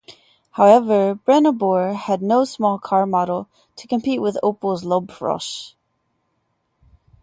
However, Brennabor had no small car model to compete with Opel's Laubfrosch.